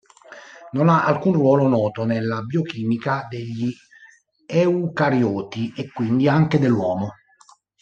Non ha alcun ruolo noto nella biochimica degli eucarioti e quindi anche dell'uomo